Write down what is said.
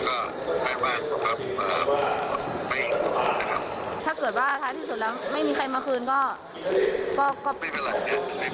ไม่เป็นไรกันเราก็ได้แวนวงไม้มาเห็นใช่ป่ะครับ